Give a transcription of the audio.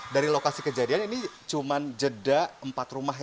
dari lokasi kejadian ini cuma jeda empat rumah